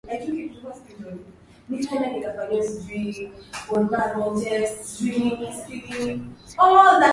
Kulingana na ripoti ya mwaka elfu mbili kumi Saba ya kundi la kimazingira la muungano wa afia na uchafuzi .